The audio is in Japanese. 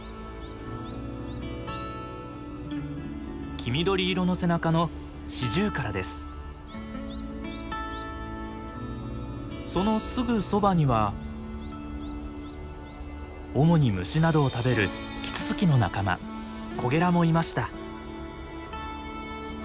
黄緑色の背中のそのすぐそばには主に虫などを食べるキツツキの仲間コゲラもいました。